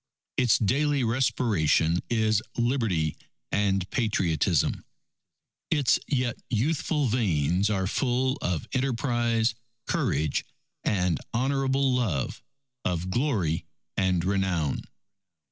Its daily respiration is Liberty and Patriotism. Its yet youthful veins are full of enterprise, courage, and honourable love of glory and renown.